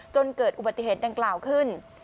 จนเกิดอุบัติเหตุดังกล่าวขึ้น